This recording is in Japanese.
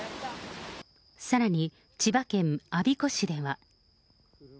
さらに、千葉県我孫子市では。